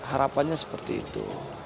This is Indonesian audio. harapannya seperti itu